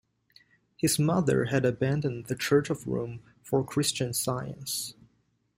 His mother had abandoned the Church of Rome for Christian Science.